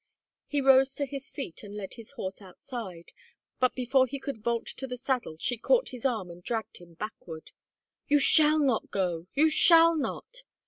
He rose to his feet and led his horse outside. But before he could vault to the saddle she caught his arm and dragged him backward. "You shall not go! You shall not!"